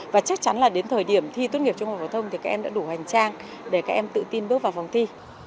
và chắc chắn là đến thời điểm thi tốt nghiệp trung học phổ thông thì các em đã đủ hành trang để các em tự tin bước vào vòng thi